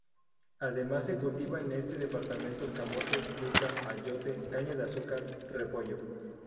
Además se cultiva en este departamento el camote, yuca, ayote, caña de azúcar, repollo.